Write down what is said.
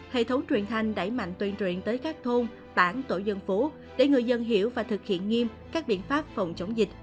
hệ thống truyền thanh đẩy mạnh tuyên truyền tới các thôn bản tổ dân phố để người dân hiểu và thực hiện nghiêm các biện pháp phòng chống dịch